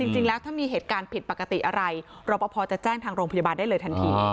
จริงแล้วถ้ามีเหตุการณ์ผิดปกติอะไรรอปภจะแจ้งทางโรงพยาบาลได้เลยทันที